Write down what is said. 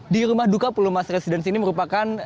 di rumah duka pulau mas residen ini merupakan